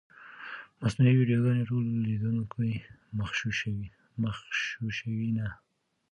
مصنوعي ویډیوګانې ټول لیدونکي مغشوشوي نه.